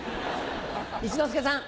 一之輔さん。